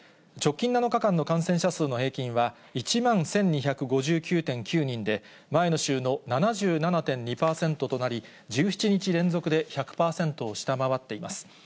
直近７日間の感染者数の平均は、１万１２５９．９人で、前の週の７７．２％となり、１７日連続で１００％を下回っています。